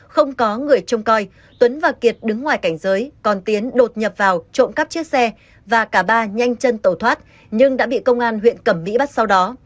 không có người trông coi tuấn và kiệt đứng ngoài cảnh giới còn tiến đột nhập vào trộm cắp chiếc xe và cả ba nhanh chân tẩu thoát nhưng đã bị công an huyện cẩm mỹ bắt sau đó